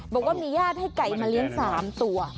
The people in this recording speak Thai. บอกว่ามีญาติให้ไก่มาเลี้ยง๓ตัว